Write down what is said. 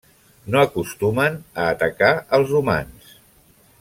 No acostumen a atacar els humans.